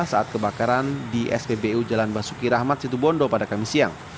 saat kebakaran di spbu jalan basuki rahmat situbondo pada kamis siang